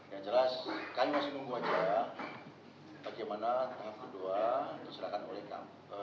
yang jelas kami masih menunggu saja bagaimana tahap kedua diserahkan oleh kami